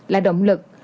là động lực